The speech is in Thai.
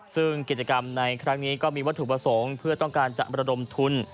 ซึ่งกิจกรรมในครั้งนี้ก็มีวัตถุประสงค์เพื่อต้องการจะระดมทุน